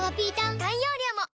大容量も！